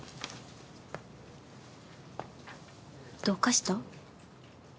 どうかした？